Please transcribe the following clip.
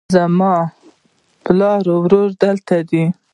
زما د پلار ورور دلته دی